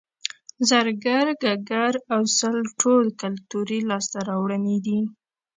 زرګر ګګر او سل ټول کولتوري لاسته راوړنې دي